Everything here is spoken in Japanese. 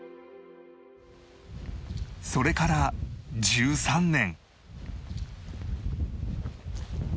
それから１３年